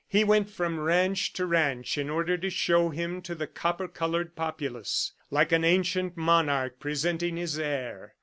He went from ranch to ranch in order to show him to the copper colored populace, like an ancient monarch presenting his heir.